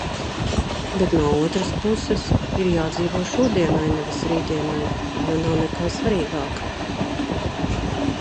Bet no otras puses - ir jādzīvo šodienai nevis rītdienai, jo nav nekā svarīgāka.